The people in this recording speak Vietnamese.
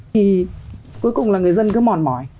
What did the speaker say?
thì cuối cùng là người dân cứ mòn mỏi